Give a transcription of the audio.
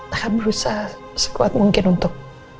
tahan berusaha sekuat mungkin untuk